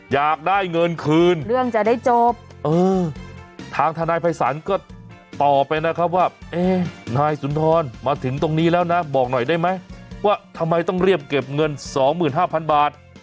อยากได้เงินคืนเรื่องจะได้จบเออทางทนายภัยศาลก็ต่อไปนะครับว่านายสุนทรมาถึงตรงนี้แล้วนะบอกหน่อยได้ไหมว่าทำไมต้องเรียบเก็บเงิน๒๕๐๐บาท